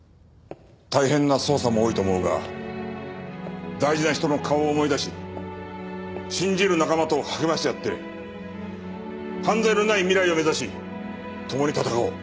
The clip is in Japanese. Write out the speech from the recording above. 大変な捜査も多いと思うが大事な人の顔を思い出し信じる仲間と励まし合って犯罪のない未来を目指し共に闘おう。